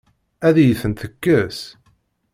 Ad iyi-tent-tekkes?